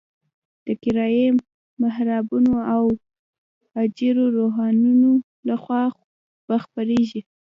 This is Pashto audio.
د کرایي محرابونو او اجیرو روحانیونو لخوا به خپرېږي.